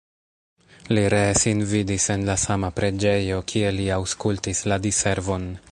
Li ree sin vidis en la sama preĝejo, kie li aŭskultis la diservon.